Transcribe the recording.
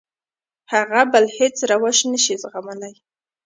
هغه بل هېڅ روش نه شي زغملی.